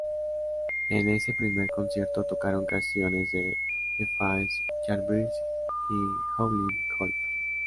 En ese primer concierto tocaron canciones de The Faces, Yardbirds y Howlin' Wolf.